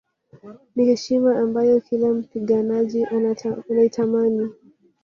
Ni heshima ambayo kila mpiganaji anaitamani